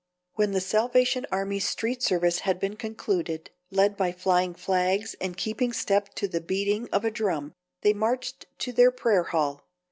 When the Salvation Army's street service had been concluded, led by flying flags and keeping step to the beating of a drum they marched to their prayer hall.